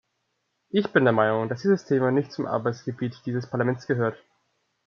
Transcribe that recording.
Ich bin der Meinung, dass dieses Thema nicht zum Arbeitsgebiet dieses Parlaments gehört.